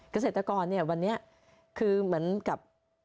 เกษตรกรเนี่ยวันนี้คือเหมือนกับ